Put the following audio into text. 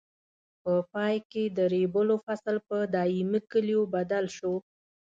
په پای کې د ریبلو فصل په دایمي کلیو بدل شو.